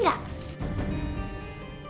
aku mau beli